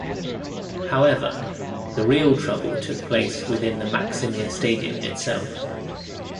However, the real trouble took place within the Maksimir stadium itself.